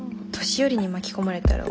年寄りに巻き込まれたら終わり。